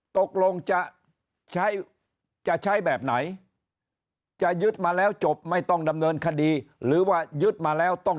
ตกลงจะใช้จะใช้แบบไหนจะยึดมาแล้วจบไม่ต้องดำเนินคดีหรือว่ายึดมาแล้วต้อง